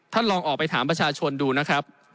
ลองออกไปถามประชาชนดูนะครับ